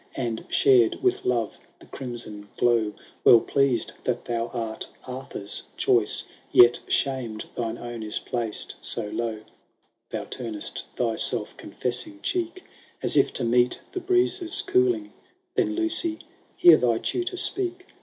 And shared with Love the crimson glow ; Well pleased that thou art Arthur's choice, Yet shamed thine own is placed so low : Thou tum*8t thy self confessing cheek, As if to meet the breeze*s cooling ; Then, Lucy, hear thy tutor speak.